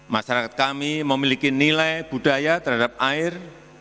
masyarakat kami memiliki nilai budaya terhadap air